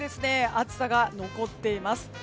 暑さが残っています。